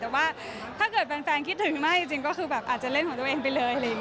แต่ว่าถ้าเกิดแฟนคิดถึงมากจริงก็คืออาจจะเล่นของตัวเองไปเลย